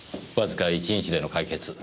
わずか１日での解決